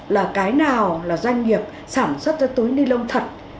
là cái nào là doanh nghiệp sản xuất cho túi ni lông thật